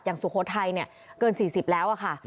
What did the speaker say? อย่างสุโขทัยเนี่ยเกิน๔๐แล้วอ่ะค่ะ